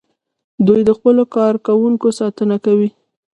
دوی د خپلو کارکوونکو ساتنه کوي.